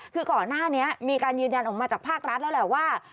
คือก่อนหน้านี้มีการยืนยันออกมาจากภาครัฐแล้วแหละว่า